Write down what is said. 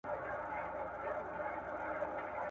د زورورو اوبه تل په لوړه ځينه